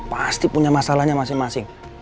pasti punya masalahnya masing masing